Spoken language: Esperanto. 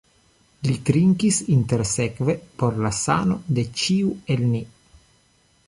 Li trinkis intersekve por la sano de ĉiu el ni.